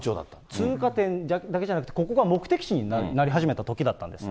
通過点だけじゃなくて、ここが目的地になり始めたときだったんです。